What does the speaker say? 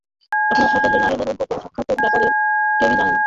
আপনার সাথে জেনারেলের এই গোপন সাক্ষাতের ব্যাপারে কেউই জানে না।